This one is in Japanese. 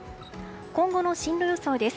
今後の進路予想です。